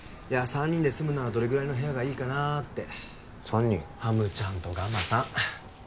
いや三人で住むならどれぐらいの部屋がいいかなって三人？ハムちゃんとガマさん